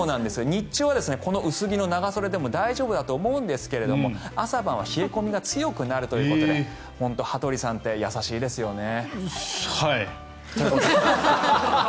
日中はこの薄着の長袖でもいいと思うんですが朝晩は冷え込みが強くなるということで本当に羽鳥さんって優しいですよね。